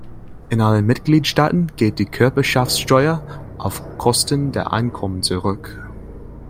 In allen Mitgliedstaaten geht die Körperschaftssteuer auf Kosten der Einkommen zurück.